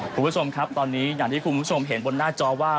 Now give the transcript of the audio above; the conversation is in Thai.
คุณผู้ชมครับตอนนี้อย่างที่คุณผู้ชมเห็นบนหน้าจอว่า